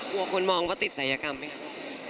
กลัวคนมองว่าติดศัยกรรมไหมคะ